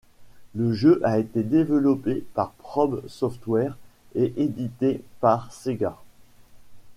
Le jeu a été développé par Probe Software et édité par Sega.